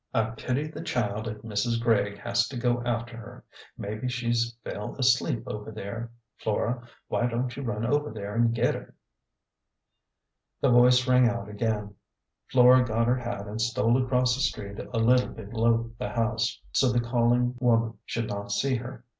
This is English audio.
"I pity the child if Mrs. Gregg has to go after her. Mebbe she's fell asleep over there. Flora, why don't you run over there an' get her ?" The voice rang out again. Flora got her hat and stole across the street a little below the house, so the calling wom an should not see her.